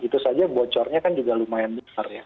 itu saja bocornya kan juga lumayan besar ya